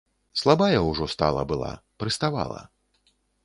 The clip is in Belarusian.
Слабая ўжо стала была, прыставала.